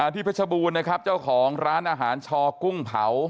เพชรบูรณ์นะครับเจ้าของร้านอาหารชอกุ้งเผา